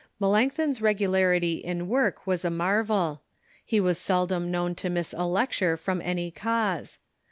Melanchthon's regularity in work was a marvel. He was seldom known to miss a lecture from any cause.